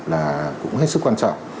là cũng hết sức quan trọng